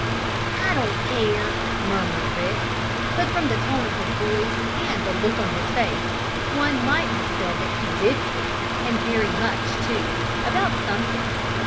"I don't care!" murmured Rick, but, from the tone of his voice, and the look on his face, one might have said that he did care, and very much, too, about something.